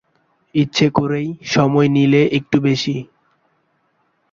ইচ্ছে করেই সময় নিলে একটু বেশি।